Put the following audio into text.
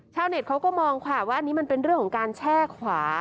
เน็ตเขาก็มองค่ะว่าอันนี้มันเป็นเรื่องของการแช่ขวา